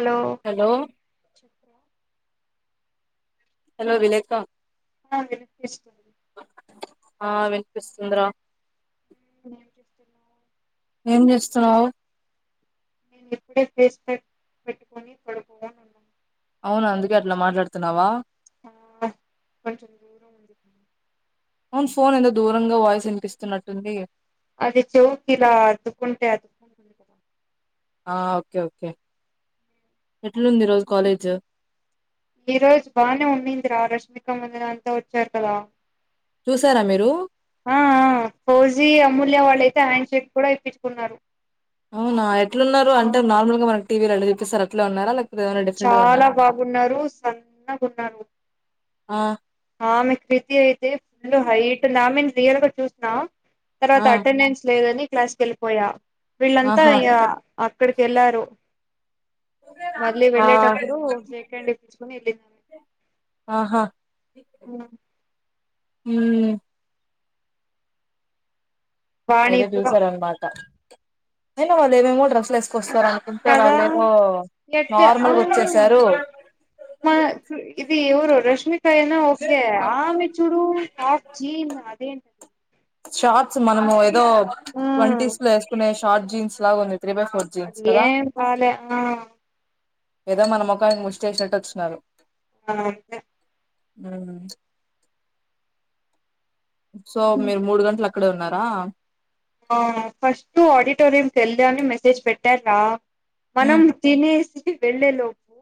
Hello hello చెప్ప hello రిలేక ఆ విన్ పీస్ ఆ వినిపిస్తుంది రా వినే చూస్తున్నా ఏం చేస్తున్నావు నేను ఇప్పుడే ఫేస్ ప్యాక్ పెట్టుకొని పడుకోని ఉన్నాను అవునా అందుకే అట్లా మాట్లాడుతున్నావా ఆ కొంచెం దూరం వుంది పో అవును ఫోన్ ఎందుకు దూరంగా వాయిస్ వినిపిస్తున్నట్టుంది. అది చౌవ్ కి ఇలా అతుకుంటే అదు ఆ ఓకే ఓకే ఎట్లుంది ఈ రోజు కాలేజ్ ఈ రోజు బాగానే ఉందిరా రష్మిక మందనా అంతా వచ్చారు కదా చూసారా మీరు? ఆ ఆ ఫౌజీ అమూల్య వాళ్ళైతే హ్యాండ్ షేక్ కూడా ఇప్పించుకున్నారు అవునా ఎట్లున్నారు అంటే నార్మల్గా మనకిటీవీల ఎట్లా చూపిస్తారు అట్లే ఉన్నార లేక్ చాలా బాగున్నారు సన్నగున్నారు ఆ ఆమె క్రితి అయితే ఫుల్ హైట్ ఉంది ఆమేన్ రియల్ గా చూసిన తర్వాత ఆ అటెండెన్స్ లేదని క్లాస్ కెళ్ళిపోయా వీళ్ళంతా ఆహా ఇగా అక్కడికెళ్ళారు లే ఆ వెళ్ళేటప్పుడు షేక్ హ్యాండ్ ఇప్పిచ్చుకొని ఎల్లింది ఆహా ఊ వాణి అయితే కూడా చూసారన్మాట అయినా వాళ్ళు ఏమేమో డ్రస్లు వేసుకొస్తార ఉంటే కదా వాళ్ళేదో ఎట్లా ఆ నార్మల్గా వచ్చేసారు మా ఇది ఎవరు రష్మికయనా ఓకే ఆమె చుడూ కా జీన్ అదేం షార్ట్స్ మనము ఏదో ఆ ట్వంటీస్ లో వేసుకునే షార్ట్ జీన్స్ లాగా ఉంది త్రీ బై ఫోర్ జీన్స్ కదా అట్లెం బాలే ఆ ఏదో మన ముఖానికి ముష్టి ఎసినట్టు వచ్చినారు ఆ అంతే ఉ సో మీరు మూడు గంటలు అక్కడే ఉన్నారా ఆ ఫస్ట్ ఆడిటోరియంకి కేళ్దా అని మెసేజ్ పెట్టాకా మనం ఉమ్ తినేసి వెళ్ళేలోపు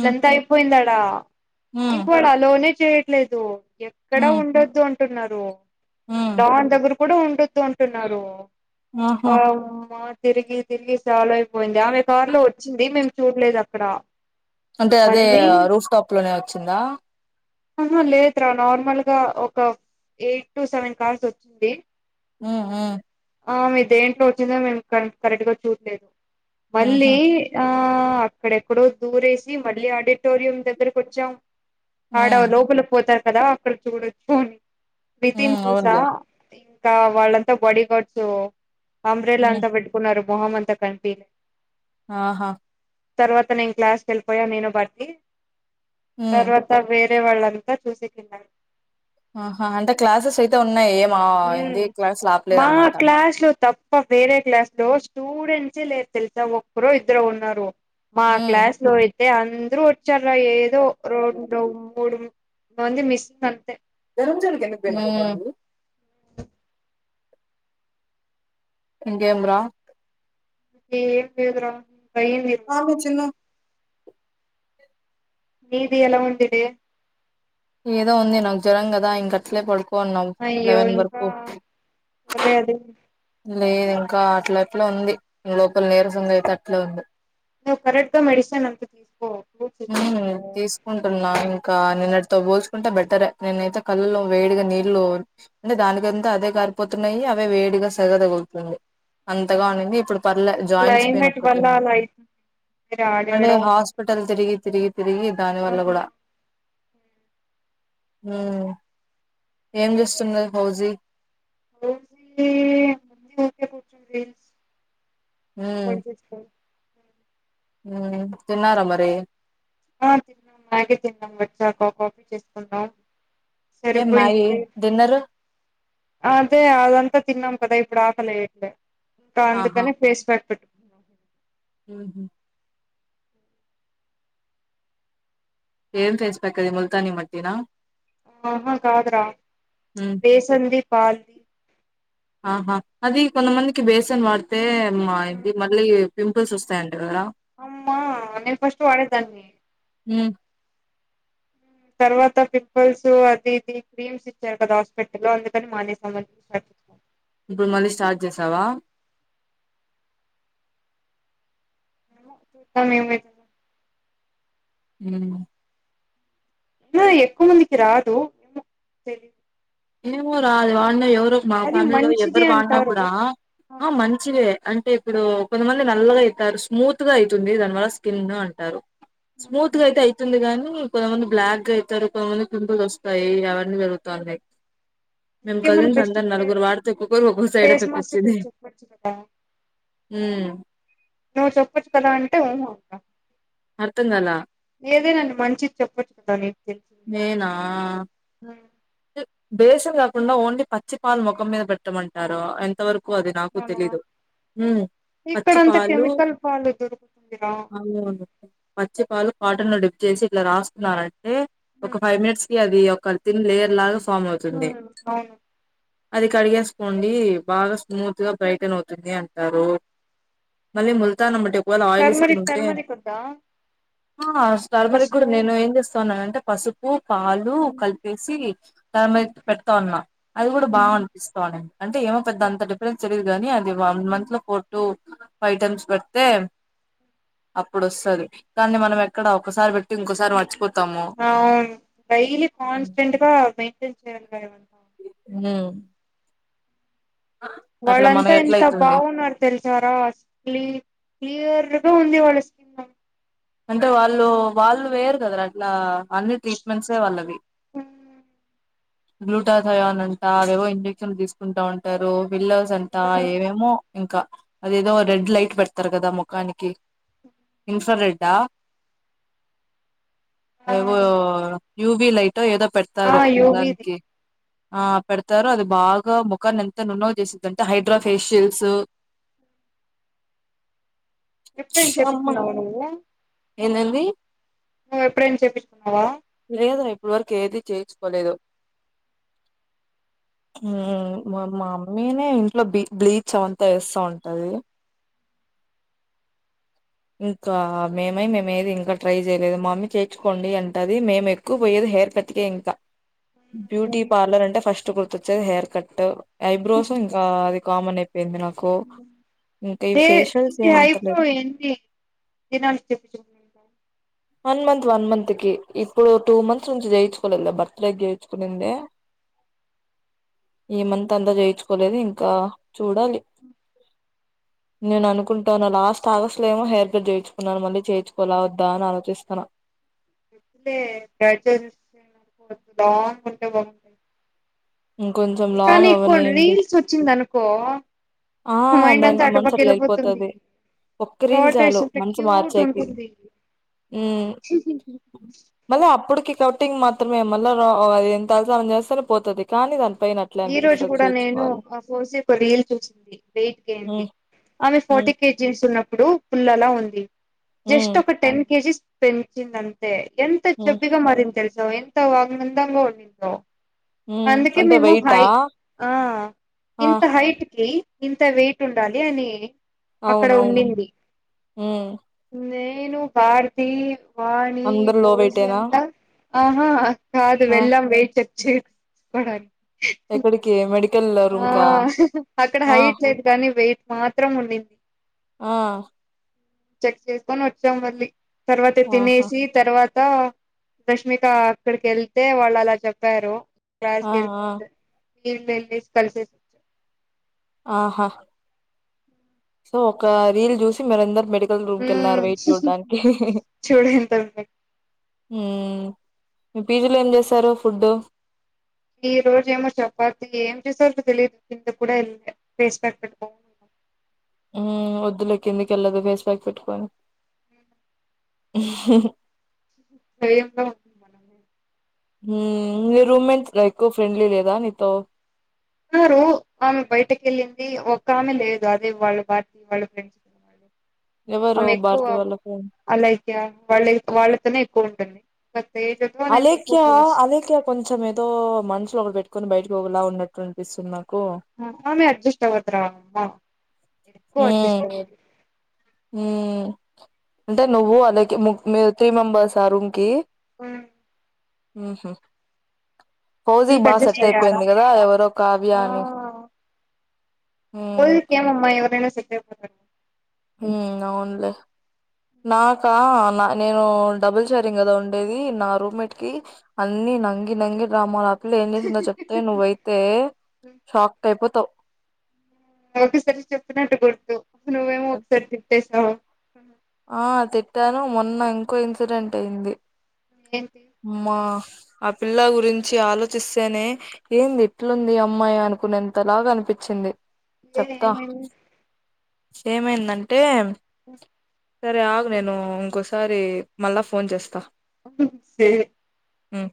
ఉమ్ అయిపోయిందడా ఉమ్ ఇంక వాడు అలోనే చేయట్లేదు ఎక్కడా ఉమ్ ఉండద్దు అంటున్నారు ఉమ్ లాన్ దగ్గర కూడా ఉండద్దు అంటున్నారు ఆహా ఆ మా తిరిగి తిరిగి చాలు అయిపోయింది. ఆమె కారు లో వచ్చింది మేము చూడలేదు అక్కడ అంటే అదే మళ్ళీ రూఫ్ టాప్ లోనే వచ్చిందా ఆహా లేదు రా నార్మల్గా ఒక ఎయిట్ టు సెవెన్ కార్స్ వచ్చింది ఉ ఉ ఆ మీ దేంట్లో వచ్చిందో మేం కార్ కరెక్ట్ గా చూడలేదు ఉహు మళ్ళీ ఆ అక్కడెక్కడో దూరేసి మళ్ళీ ఆడిటోరియం దగ్గరకి వచ్చాం ఆడవ ఉమ్ లోపల పోతారు కదా అక్కడ చూడచ్చు అని క్రితినీ ఉమ్ చూసా అవునులే ఇంకా వాళ్ళంతా బాడీ గార్డ్స్ అంబ్రేలా ఉమ్ అంతా పెట్ కున్నారు మొహం అంత కనిపి ఆహా తర్వాత నేను క్లాస్కి వెళ్ళిపోయా నేను భారతి ఉమ్ తర్వాత వేరే వాళ్ళంతా చూసి తిన్నారు ఆహా అంటే క్లాసెస్ అయితే ఉన్నాయి ఏం ఉమ్ ఏంది క్లాస్లు మా ఆపలేదనమాట క్లాస్ లు తప్ ప్పా వేరే క్లాస్ లో స్టూడెంట్సే లేరు తెలుసా ఒక్కరో ఇద్దరో ఉన్నారు మా ఉమ్ క్లాస్ లో అయితే అందరు వచ్చారా ఏదో రెండు మూడు మంది మిస్ అంతే హు ఇంకేం రా ఏం లేదు రా భయం ఆ మీ చిన్ను నీది ఎలా ఉంటాది ఏదో ఉంది నాకు జ్వరం కదా ఇంక అట్లే పడుకోన్నావు లెవెన్ వరకు అదే అదే లేదు ఇంకా అట్లా అట్లా ఉంది లోపల నీరసంగా అయితే అట్లే ఉంది నువ్ కరెక్ట్ గా మెడిసిన్ అంత తీసుకో ఫ్రూట్స్ ఎక్కువ ఉమ్ తిను తీసు కుంటున్నా ఇంకా నిన్నటితో పోల్చుకుంటే బెటర్ నీనైతే కళ్ళల్లో వేడిగా నీళ్ళు అంటే దానికంతా అదే కారిపోతున్నాయి అవే వేడిగా సగదగులుతుంది అంతగా ఉన్నింది ఇప్పుడు పర్లే జాయింట్స్ పెయిన్ క్లైమేట్ వల్ల ఒక్కటుంది అలా అయితుంది మీరు అంటే ఆడేయడం హాస్పిటల్ తిరిగి తిరిగి దాని వల్ల కూడా ఏం చేస్తుంది హౌజీ రోజ ముందు కే కూచ స్ ఉమ్ తిన్నారా మరి ఆ తిన్నాం మ్యాగీ తిన్నాం వచ్చాకా కాఫీ చేసుకుంనామ్ ఏం మ్యాగీ సరిపోయింది డిన్నర్ అదే అదంతా తిన్నాం కదా ఇప్పుడు ఆకలి వట్లే ఇంకా ఆహా అందుకనే ఫేస్ ప్యాక్ పెట్టుకు ఉహు ఏం ఫేస్ ప్యాక్ అది ముల్తా మట్టి నా ఆహా కాదు రా హ్మ్. బేసన్ది పల్ది ఆహా అది కొంతమందికి బేసన్ వాడితే మా ఇది మళ్ళీ పింపుల్స్ వస్తాయ అంట కదా అమ్మ నేన ఫస్ట్ వాడేదాన్ని ఉమ్ తర్వాత పింపుల్స్ అది ఇది క్రీమ్స్ ఇచ్చారు కదా హాస్పిటల్ లో అందుకని మానేసా ఇప్పుడు మళ్ళీ స్టార్ట్ చేసావా ఉని ఉమ్ ఎక్కువ మందికి రాదు ఏమో తెలిదు ఏమో రా అది వాడినా ఎవరు మా అది ఫ్యామిలీలో మంచిది ఎవ్వరు వాడినా అంటారు కూడా ఆ మంచివే అంటే ఇప్పుడు కొంతమంది నల్లగా అయితారు స్మూత్ గా అయితుంది దానివల్ల స్కిన్ అంటారు స్మూత్ గ ఐతే అయితుంది తుంది గాని కొంతమంది బ్లాక్ గా అయితారు కొంతమంది పింపుల్స్ వస్తాయి అవన్నీ జరుగుతుందియి మేం ఇంకేమైనా కజిన్స్ బెస్ట్ అందరు ప్లే నలుగురు వాడితే ఒక్కొక్కరు ఒక్కొరు సైడ్ ఫేస్ ఎఫెక్ట్ మాస్క్ వచ్చింది చెప్పొచ్చు కదా ఉమ్మ్ నువ్వు చెప్పచ్చు కదా అంటే ఉహు అంట అర్ధం కాలే ఏదే నన్ను మంచిది చెప్పొచ్చుదాని నేనా బేసన్ కాకుండా ఓన్లీ పచ్చిపాల ముఖం మీద పెట్టమంటారు ఎంతవరకు కు అది నాకు అవునా తెలిదు ఉమ్ పచ్చి ఇక్కడంత పాలు కెమికల్ పాలు దొరుకుతుందిరా హ్మ్ అవును పచ్చి పాలు కాటన్ ను డిప్పు చేసి ఇట్లా రాస్తున్నారంటే ఒక ఫైవ్ మినిట్స్ కి అది ఒక తిన్ లేయర్ లాగా ఫామ్ అవుతుంది హ్మ్ అవును అది కడిగేసుకోండి బాగా స్మూత్ గా బ్రైటన్ అవుతుంది అంటారు మళ్ళీ ముళతాని మట్టి ఎక్కువేళ ఆయిలీ స్కిన్ టర్మరిక్ ఉంటే టర్మరిక్ వద్దా ఆ స్టార్మరిక్ కూడా పసుపు నేను ఏం చేస్తా ఉన్నానంటే పసుపు పాలు అవును కలిపేసి కామెంట్ పెడ్త ఉన్నా అది గుడా బాగా అనిపిస్తావునండి అంటే ఏమో పెద్ద అంత డిఫరెన్స్. తెలియదు గానీ అది వన్ మంత్ లో ఫోర్ టూ ఫై టమ్స్ పెడితే. అప్పుడోస్తది కాన్ని మనం ఎక్కడ ఒకసారి పెట్టి ఇంకోసారి మర్చిపోతాము. అవున్ డైలీ కాన్స్టెంట్ గా మెయింటైన్ చేయి ఏమ. గ. ఆ. వాళ్ళంతా ఎంత బాగున్నారు తెలుసారా స్ క్లీ క్లియర్గా ఉంది వాళ్ళ. స్కిన్ అంటే వాళ్ళు వాళ్ళు వేయరు గద రా అట్లా అన్ని ట్రీట్మెంట్సే వాళ్ళవి. బ్లూటాత్ అయాన్ అంట అదేవో ఇంజక్షన్లు తీసుకుంటా ఉంటారు ఫిల్లర్స్ అంటా ఏవేమో. ఇంకా అదేదో రెడ్ లైట్ పెడతరు కదా ముఖానికి ఇన్ఫ్రా రెడ్. డా ఆ ఏవో యూవి లైతో ఎదో పేడ్. ఆ ఇస్తారు యోగిది దానికి ఆ. పెడతారు అది బాగా ముఖాన్ని ఎంత నున్నగా జేసిందంట హైడ్రా ఫేషియల్స్. ఎప్పుడైన చెపిచ్చుకున్నావ నువ్వు. ఏందెంది. నువ్వు ఎప్పుడైనా చేపీచ్చుకున్నావా. లేదు ఇప్పటి వరకు ఏది చేయించుకోలేదు. హ్మ్ మా మమ్మీనే ఇంట్లో బిగ్ బ్లీచ్ అంతా ఏస్తా ఉంటది. ఇంకా మేమై మేమ ఏది ఇంకా ట్రై జేయలేదు మామ్మీ చేర్చుకోండి అంటది మేమే ఎక్. ఎక్కువ పోయేది హెయిర్ కట్ కే ఇంకా బ్యూటీ మ్మ్. పార్లర్ అంటే ఫస్ట్ గుర్తొచ్చేది హెయిర్ కట్టు. ఐబ్రోసు ఇంకా అది కామనైపోయింది నాకు. ఇంకా ఈ ఏ ఫేషియల్స్ ఇది ఏమంత హైబ్రో లేదు ఏంటి తినాల చెప్పు. వన్ మంత్ వన్ మంత్ కి ఇప్పుడు టూ మంత్స్ చేపించుకున్నావ్ నుంచి యేయించుకోలేదులే బర్త్ డేకి చేయించుకునిందే. ఈ మంత్ అంతా చేయించుకోలేదు ఇంకా చూడాలి. నేను అనుకుంటాను లాస్ట్ ఆగస్. అట్లేమో హెయిర్ కట్ జేయించుకున్నారు మళ్ళి చేయిుకోలఓద్దా అని ఆలోచిస్తాన్న. [unintelligible] ఇంకొంచెం కానీ లాంగ్ ఎక్కో అవనియండి రిల్సొచిందనుకో అనుకో. ఆ మైండంతా దానికి మనసు అట్లా అటుపక్కేళ్ళిపోతుంది. వెళ్ళిపోతది ఒక్క రీల్ చాలు ప్రాటేసంత మనసు మార్చేకి క్యూటుంటుంది. మళ్ళ అప్పుడుకి కటింగ్ మాత్రమే మల్ల రా అది తలసనం చేస్తేనే పోతుది. కానీ దానిపైన. అట్లే ఈ రోజు అనిపిస్తది గుడా నేను చేర్చుకోవాలి అ ఫోసి ఒక రీల్ చూసింది వెయిట్యింది. ఉమ్ ఆమె ఉమ్ ఫాటి కేజేస్ ఉన్నప్పుడు పుల్లల ఉంది ఉమ్ జస్ట్ ఒక టెన్ కేజీస్. పెంచిందంతే ఎంత ఉమ్ చెబ్బిగా మరింది తెల్సా ఎంత వానందంగా ఉందో. హ్మ్ అంతే వైట్. హై ఆ ఇంత హైట్ కి ఇంత వెయిట్ ఉండాలి అనీ. అక్కడ అవునవును ఉండింది ఉమ్ నేను భారతీ. వాణి అందరు లో ఫౌజీ వెయిటేనా అంతా ఆహా అ కాదు ఆ వెళ్ళం వెయిట్ చె. చె ప్పడానీకి. ఎక్కడికి మెడికల్లో. ఆ అక్కడ హైట్ లేదు గాని వెయిట్ మాత్రం ఉండింది. ఆ. చెక్ చేసుకొని ఓచ్చాం మళ్ళీ తర్వాత ఆహా తినేసి. తర్వాత రష్మిక అక్కడికి వెళ్తే వాళ్ళు అలా చెప్పారు క్యాష్ ఆ కెల్లి ఆ పోతది ఫిల్మే మే దిష్ కలిసి ఆహా సో ఒక రీల్ చూసి మీరందరు మెడిక్ రూమ్ కి వెళ్లారు ఉమ్ వెయిట్ చూడడానికి హిహిహి చూడు ఎంత ఉమ్ పీజీలో ఏం చేశారు ఫుడ్ ఈ రోజు ఏమో చపాతి ఏం చేసారో తెలీదు కిందకి కూడా వెళ్లలేదు ఫేస్ ప్యాక్ పెట్టుకున్నా ఉమ్ వద్దులే కిిందికి వెళ్లొద్దు ఫేస్ ప్యాక్ పెట్టుకొని స [inaudible] మన ఊమ్ మీ రూమ్మెన్స్ ఎక్కువ ఫ్రెండ్లీ లేదా నీతో ఉన్నారు ఆమె బయటకి వెళ్ళింది ఒక్క ఆమె లేదు అదే వాళ్ళ పార్టీ వాళ్ల ఫ్రెండ్స్ ఎవరు అమె ఎక్కువ భారతి వాళ్ళ ఫ్రెండ్ అలేఖ్య వాళ్ల వాళ్లతోనే ఎక్కువ ఉంటుంది బతే ఎక్కువనే అలేఖ్య క్లోస్ అలేఖ్య కొంచెం ఏదో మనసులో ఒకటి పెట్టుకొని బయటకి ఒకలా ఉన్నట్టు అనిపిస్తుంది నాకు ఆమె అడ్జస్ట్ అవదురా ఆ ఉమ్ ఉమ్ అంటే నువ్వు అలేఖ్య మీరు త్రీ మెంబర్స్ ఆ రూమ్ కి ఆ ఉహు పొజీ నీకు బాగా అడ్జస్ట్ సెట్ అయ్యారా అయిపోయింది కదా ఎవరో కావ్య ఆ అని హ్మ్ ఫోజీ కి ఏమమ్మా ఎవరైనా సెట్ అయిపోతారు ఊమ్ అవునులే నాకా నా నేను డబుల్ షేరింగ్ కదా ఉండేది నా రూమ్మేట్ కి అన్ని నంగి నంగి డ్రామలు ఆ పిల్ల ఏం చేసిందో చెప్తే నువ్వు అయితే షాక్ అయిపోతావ్ ఒకసారి చెప్పినట్టు గుర్తు నువ్వేమో ఒకసారి తిట్టేసావు ఆ తిట్టాను మొన్న ఇంకో ఇన్సిడెంట్ అయింది ఏంట్ అమ్మా ఆ పిల్ల గురించి ఆలోచిస్తేనే ఏంది ఇట్లుంది అమ్మాయి అనుకునేంతలాగా అనిపించింది ఏ చెప్తా ఏమైంది ఏమైందంటే సరే ఆగు నేను ఇంకోసారి మల్ల ఫోన్ చేస్తా తే ఉమ్